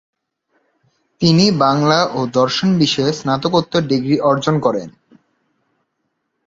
তিনি 'বাংলা ও দর্শন' বিষয়ে স্নাতকোত্তর ডিগ্রী অর্জন করেন।